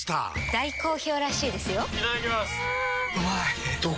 大好評らしいですよんうまい！